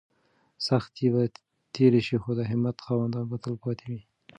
سختۍ به تېرې شي خو د همت خاوندان به تل پاتې وي.